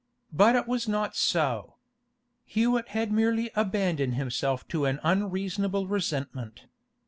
But it was not so. Hewett had merely abandoned himself to an unreasonable resentment.